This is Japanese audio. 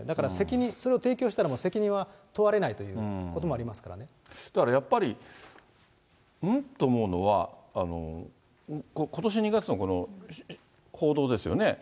だから責任、それを提供したら、責任は問われないということもあだからやっぱり、ん？と思うのは、ことし２月の報道ですよね。